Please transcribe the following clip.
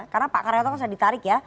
karena pak karyatong harusnya ditarik ya